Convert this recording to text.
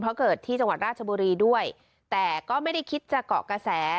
เพราะเกิดที่จังหวัดราชบุรีด้วยแต่ก็ไม่ได้คิดจะเกาะกระแส